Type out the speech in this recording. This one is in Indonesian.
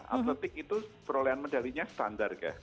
atletik itu perolehan medalinya standar ya